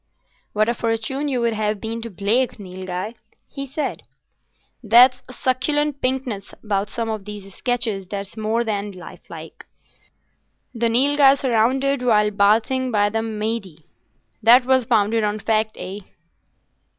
"What a fortune you would have been to Blake, Nilghai!" he said. "There's a succulent pinkness about some of these sketches that's more than life like. "The Nilghai surrounded while bathing by the Mahdieh"—that was founded on fact, eh?"